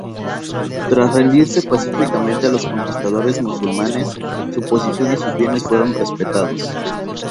Tras rendirse pacíficamente a los conquistadores musulmanes, su posición y sus bienes fueron respetados.